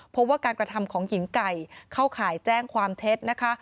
เพราะว่าการกระทำของหญิงไก่เข้าข่ายแจ้งความเท็จนะคะ